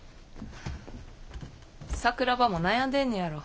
桜庭も悩んでんねやろ。